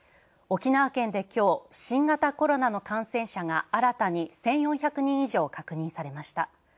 沖縄県で今日、新型コロナの感染者が新たに１４００人以上確認されました。